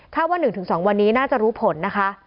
ว่า๑๒วันนี้น่าจะรู้ผลนะคะ